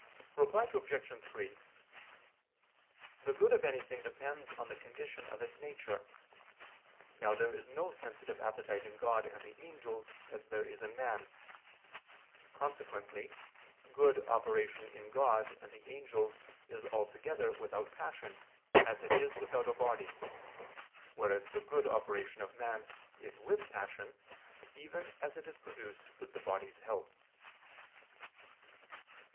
Reply Obj. 3: The good of anything depends on the condition of its nature. Now there is no sensitive appetite in God and the angels, as there is in man. Consequently good operation in God and the angels is altogether without passion, as it is without a body: whereas the good operation of man is with passion, even as it is produced with the body's help.